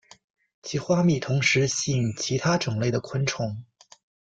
其花蜜同时吸引其他种类的昆虫。